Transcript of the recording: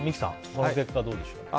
この結果、どうでしょう？